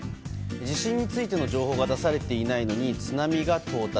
地震についての情報が出されていないのに津波が到達。